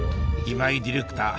今井ディレクター